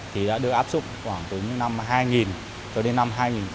thì đã được áp dụng khoảng từ những năm hai nghìn đến năm hai nghìn một mươi